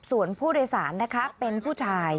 ส่วนผู้โดยสารนะคะเป็นผู้ชาย